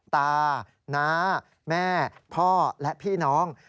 ตาน้าแม่พ่อและพี่น้อง